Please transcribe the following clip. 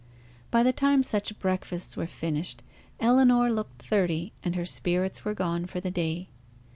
By the time such breakfasts were finished, Ellinor looked thirty, and her spirits were gone for the day.